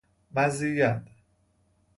مزید